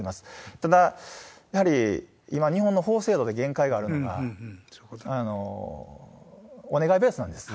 ただ、やはり今、日本の法制度で限界があるのが、お願いベースなんです。